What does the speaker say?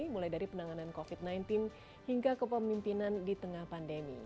mulai dari penanganan covid sembilan belas hingga kepemimpinan di tengah pandemi